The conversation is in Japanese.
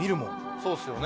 そうっすよね。